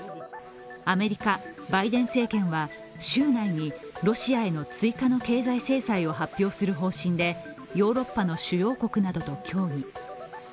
アメリカ・バイデン政権は週内にロシアへの追加の経済制裁発表する方針で、ヨーロッパの主要国などと協議。